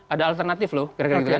ada alternatif loh kira kira gitu ya